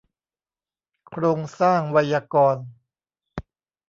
โครงสร้างไวยากรณ์